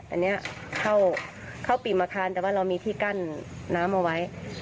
อันนี้เข้าปิ่มอาคารแต่ว่าเรามีที่กั้นน้ำเอาไว้